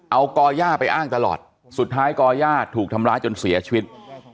เอาก่อย่าไปอ้างตลอดสุดท้ายก่อย่าถูกทำร้ายจนเสียชีวิต